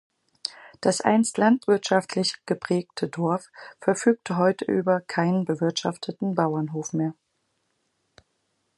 Das einst landwirtschaftlich geprägte Dorf verfügt heute über keinen bewirtschafteten Bauernhof mehr.